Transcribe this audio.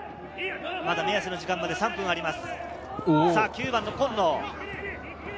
目安の時間まで、まだ３分あります。